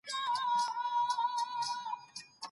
سرمایه داري باید د ټولني اخلاقي ارزښتونه خراب نه کړي.